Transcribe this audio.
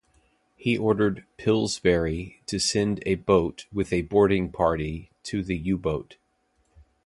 He ordered "Pillsbury" to send a boat with a boarding party to the U-boat.